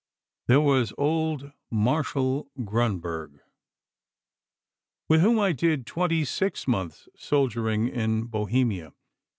There was old Marshal Grunberg, with whom I did twenty six months' soldiering in Bohemia.